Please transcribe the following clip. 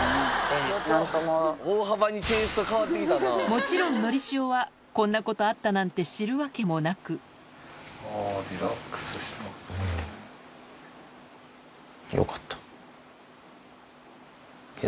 もちろんのりしおはこんなことあったなんて知るわけもなくよかった。